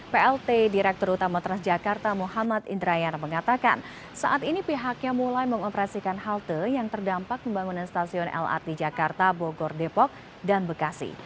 plt direktur utama transjakarta muhammad indrayana mengatakan saat ini pihaknya mulai mengoperasikan halte yang terdampak pembangunan stasiun lrt jakarta bogor depok dan bekasi